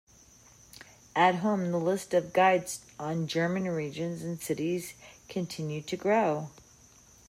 At home, the list of guides on German regions and cities continued to grow.